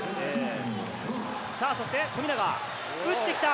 さあそして富永、打ってきた。